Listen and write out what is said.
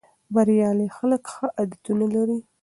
بریالي خلک ښه عادتونه لري.